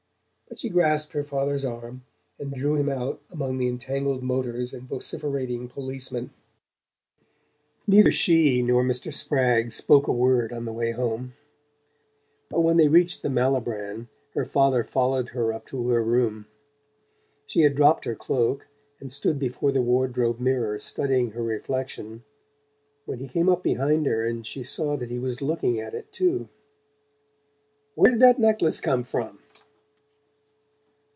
But she grasped her father's arm and drew him out among the entangled motors and vociferating policemen. Neither she nor Mr. Spragg spoke a word on the way home; but when they reached the Malibran her father followed her up to her room. She had dropped her cloak and stood before the wardrobe mirror studying her reflection when he came up behind her and she saw that he was looking at it too. "Where did that necklace come from?"